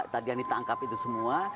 tadi yang ditangkap itu semua